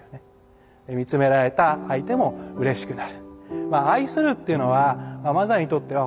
見つめられた相手もうれしくなる。